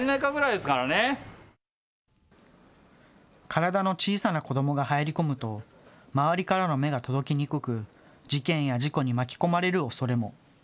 体の小さな子どもが入り込むと周りからの目が届きにくく事件や事故に巻き込まれるおそれも。